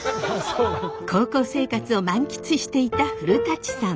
高校生活を満喫していた古さん。